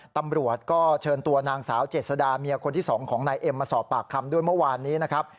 ตำรวจก็เชิญตัวนางสาวเจษดาเมียคนที่๒ของนายเอ็มมาสอบปากคำด้วยเมื่อวานนี้นะครับ